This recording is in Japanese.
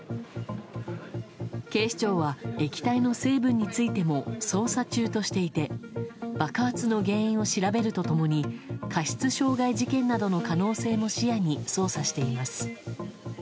警視庁は液体の成分についても捜査中としていて爆発の原因を調べると共に過失傷害事件などの可能性も視野に捜査しています。